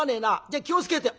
じゃあ気を付けて」。